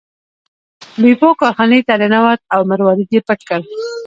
بیپو کارخانې ته ننوت او مروارید یې پټ کړ.